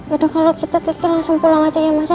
yaudah kalau gitu kiki langsung pulang aja ya mas